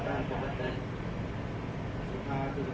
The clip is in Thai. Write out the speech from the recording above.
สวัสดีครับทุกคน